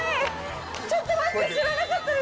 ちょっと待って！